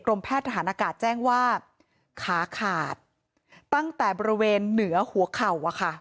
แพทย์ทหารอากาศแจ้งว่าขาขาดตั้งแต่บริเวณเหนือหัวเข่า